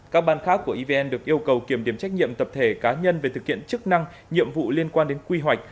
các ban khác của evn được yêu cầu kiểm điểm trách nhiệm tập thể cá nhân về thực hiện chức năng nhiệm vụ liên quan đến quy hoạch